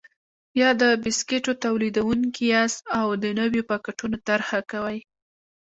یا د بسکېټو تولیدوونکي یاست او د نویو پاکټونو طرحه کوئ.